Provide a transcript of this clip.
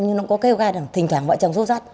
nhưng nó cũng có kêu gai là thỉnh thoảng vợ chồng xô xát